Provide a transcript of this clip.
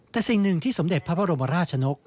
แต่สิ่งหนึ่งที่สมเด็จพระบรมราชนก